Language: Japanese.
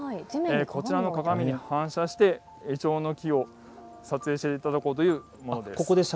こちらの鏡で反射しているイチョウの木を撮影しているということです。